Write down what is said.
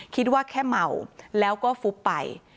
คิดว่าแค่เมาแล้วก็ฟุบไป